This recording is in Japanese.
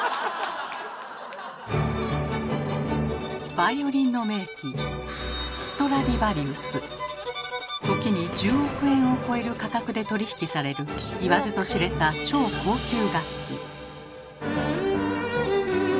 バイオリンの名器時に１０億円を超える価格で取り引きされる言わずと知れた超高級楽器。